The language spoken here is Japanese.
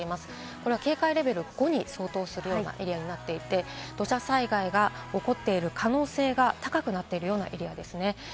これは警戒レベル５に相当するようなエリアになっていて、土砂災害が起こっている可能性が高くなっているエリアです。